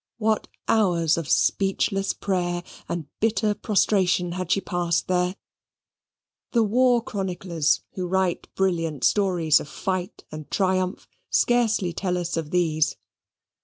what hours of speechless prayer and bitter prostration had she passed there! The war chroniclers who write brilliant stories of fight and triumph scarcely tell us of these.